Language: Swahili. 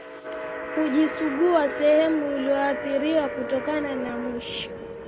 kujisugua sehemu iliyoathiriwa kutokana na mwasho